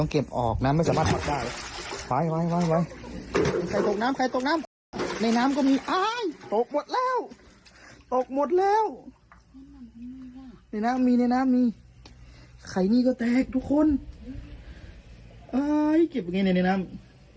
เก็บยังไงในน้ำ